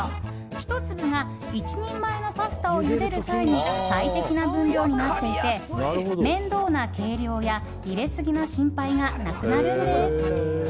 １粒が１人前のパスタをゆでる際に最適な分量になっていて面倒な計量や入れすぎの心配がなくなるんです。